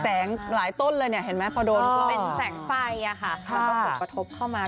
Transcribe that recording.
แสงหลายต้นเลยเนี่ยเห็นไหมพอโดนเป็นแสงไฟอะค่ะค่ะ